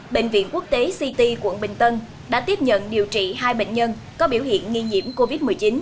bệnh viện quốc tế ct quận bình tân đã tiếp nhận điều trị hai bệnh nhân có biểu hiện nghi nhiễm covid một mươi chín